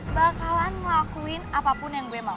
bakalan ngelakuin apapun yang gue mau